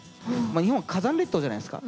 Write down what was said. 日本は火山列島じゃないですか。